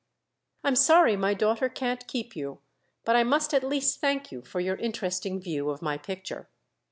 "I'm sorry my daughter can't keep you; but I must at least thank you for your interesting view of my picture."